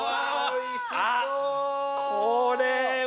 あっこれは。